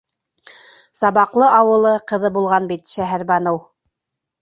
Сабаҡлы ауылы ҡыҙы булған бит Шәһәрбаныу.